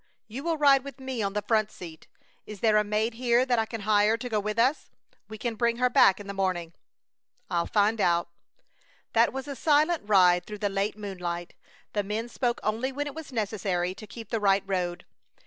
You will ride with me on the front seat. Is there a maid here that I can hire to go with us? We can bring her back in the morning." "I'll find out." That was a silent ride through the late moonlight. The men spoke only when it was necessary to keep the right road.